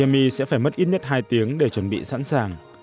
một tiếng để chuẩn bị sẵn sàng